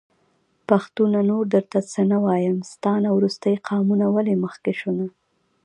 پښتونه نور درته څه نه وايم.. ستا نه وروستی قامونه ولي مخکې شو نه